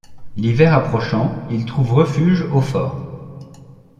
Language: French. L'hiver approchant, ils trouvent refuge au fort.